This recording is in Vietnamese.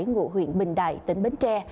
ngộ huyện bình đại tỉnh bến tre